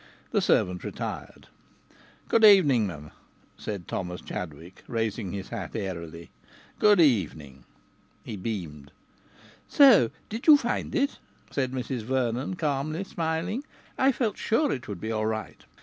The servant retired. "Good evening, m'm," said Thomas Chadwick, raising his hat airily. "Good evening." He beamed. "So you did find it?" said Mrs Vernon, calmly smiling. "I felt sure it would be all right."